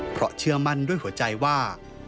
เพราะเชื่อมั่นด้วยหัวใจว่า